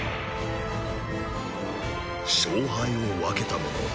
勝敗を分けたもの。